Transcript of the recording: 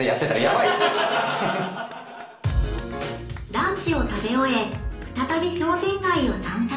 ［ランチを食べ終え再び商店街を散策］